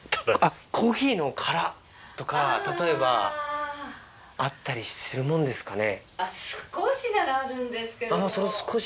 あっ！とか例えばあったりするもんですかね？